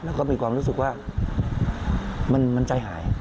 แล้วก็มีความรู้สึกว่ามันใจหาย